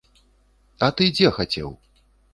А ты дзе хацеў?